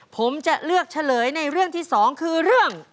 ผมจะเลือกเฉลยในเรื่องที่๒คือเรื่อง